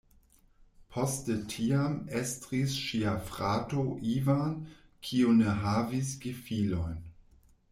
Poste tiam estris ŝia frato "Ivan", kiu ne havis gefilojn.